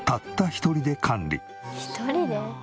１人で！？